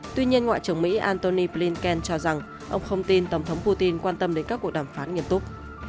tuy nhiên ngoại trưởng mỹ antony blinken cho rằng ông không tin tổng thống putin quan tâm đến các cuộc đàm phán nghiêm túc